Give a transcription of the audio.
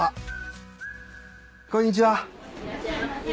いらっしゃいませ。